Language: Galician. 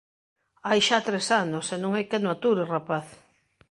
Hai xa tres anos, e non hai quen o ature, rapaz.